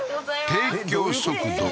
提供速度